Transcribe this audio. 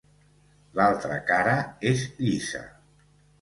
L'altra cara és llisa.